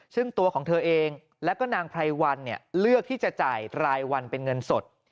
ซึ่งตัวของเธอเองแล้วก็นางไพรวันเลือกที่จะจ่ายรายวันเป็นเงินสด